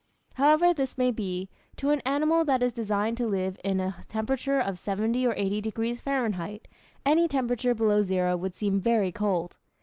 However this may be, to an animal that is designed to live in a temperature of 70 or 80 degrees Fahrenheit, any temperature below zero would seem very cold.